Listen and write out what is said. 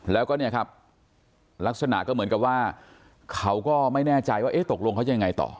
แล้วก็ลักษณะก็เหมือนกับว่าเขาก็ไม่แน่ใจว่าตกลงเขาจะยังไงต่อ